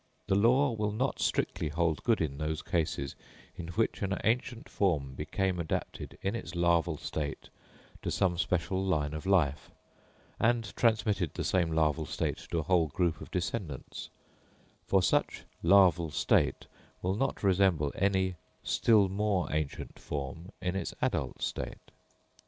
The law will not strictly hold good in those cases in which an ancient form became adapted in its larval state to some special line of life, and transmitted the same larval state to a whole group of descendants; for such larval state will not resemble any still more ancient form in its adult state.